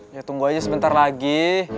ya tunggu aja sebentar lagi